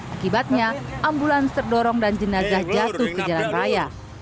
akibatnya ambulans terdorong dan jenazah jatuh ke jalan raya